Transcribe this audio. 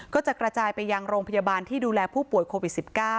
ก็จะกระจายไปยังโรงพยาบาลที่ดูแลผู้ป่วยโควิด๑๙